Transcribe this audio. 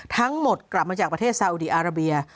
ทั้งหมดกลับมาจากประเทศซาวดีอาราเบีย